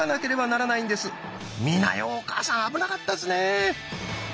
美奈代お母さん危なかったですね。